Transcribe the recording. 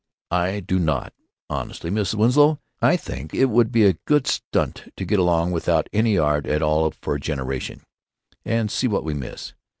"I do not! Honestly, Miss Winslow, I think it would be a good stunt to get along without any art at all for a generation, and see what we miss.